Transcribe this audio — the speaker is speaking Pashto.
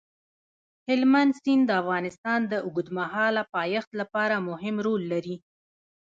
هلمند سیند د افغانستان د اوږدمهاله پایښت لپاره مهم رول لري.